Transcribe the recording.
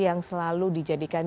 yang selalu dijadikan